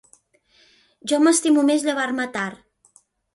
Jo m'estimo més llevar-me tard.